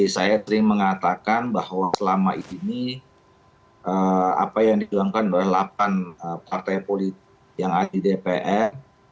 saya sering mengatakan bahwa selama ini apa yang dijuangkan oleh delapan partai politik yang ada di dpr